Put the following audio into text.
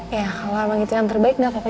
ya kalo emang itu yang terbaik gak apa apa